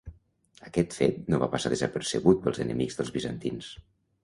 Aquest fet no va passar desapercebut pels enemics dels bizantins.